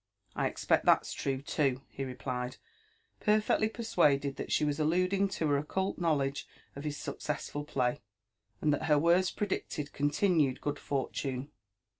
"I expect that's true, too," he replied, perfectly persuaded (hat she was alluding to her occult knowledge of his successful play, and that her words predicted continued good fortune.